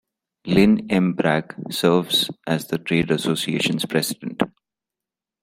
Lynn M. Bragg serves as the trade association's President.